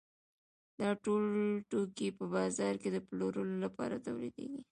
دا ټول توکي په بازار کې د پلورلو لپاره تولیدېږي